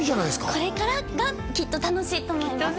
これからがきっと楽しいと思います